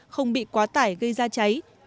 không bị quá tải gây ra cháy